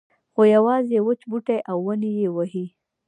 خو یوازې وچ بوټي او ونې یې وهي.